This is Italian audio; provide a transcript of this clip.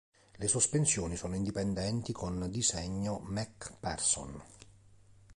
Le sospensioni sono indipendenti con disegno MacPherson.